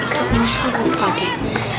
ini harusnya usah lupa deh